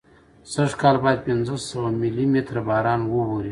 سږکال باید پینځه سوه ملي متره باران واوري.